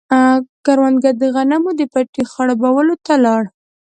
کروندګر د غنمو د پټي خړوبولو ته لاړ.